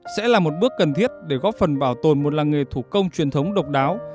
sẽ là một bước cần thiết để góp phần bảo tồn một làng nghề thủ công truyền thống độc đáo